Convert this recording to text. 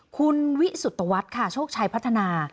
คุณวิสุตวัฒน์ค่ะโชคชัยพัฒนา